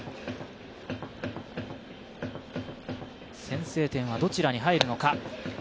先制点はどちらに入るのか。